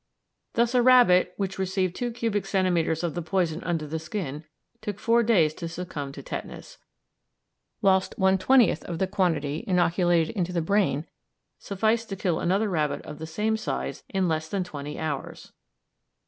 Thus, a rabbit which received two cubic centimetres of the poison under the skin took four days to succumb to tetanus, whilst one twentieth of the quantity inoculated into the brain sufficed to kill another rabbit of the same size in less than twenty hours.